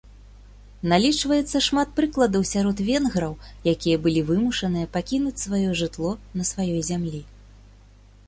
Налічваецца шмат прыкладаў сярод венграў, якія былі вымушаныя пакінуць сваё жытло на сваёй зямлі.